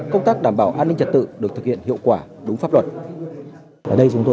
công tác đảm bảo an ninh trật tự được thực hiện hiệu quả đúng pháp luật